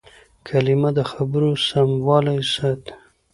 کلیمه د خبرو سموالی ساتي.